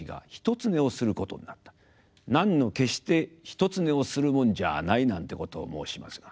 「男女決して一つ寝をするもんじゃない」なんてことを申しますが。